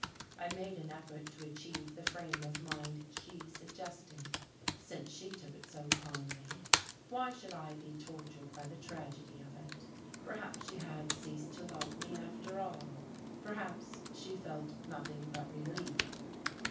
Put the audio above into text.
I made an effort to achieve the frame of mind she suggested: since she took it so calmly, why should I be tortured by the tragedy of it? Perhaps she had ceased to love me, after all! Perhaps she felt nothing but relief.